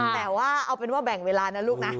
แต่ว่าเอาเป็นว่าแบ่งเวลานะลูกนะ